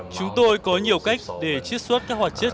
chúng tôi có nhiều cách để chiết xuất các hoạt chất